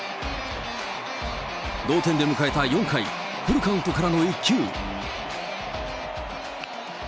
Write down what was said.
同点で迎えた４回、フルカウントからの一球。